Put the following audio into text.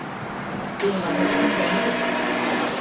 এম্নি ভয় পেয়ে চিৎকার শুরু করে।